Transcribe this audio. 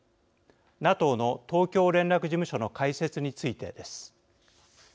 ＮＡＴＯの東京連絡事務所の開設についてです。